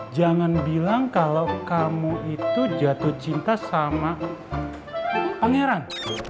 jangan bilang kalau kamu itu jatuh cinta sama pangeran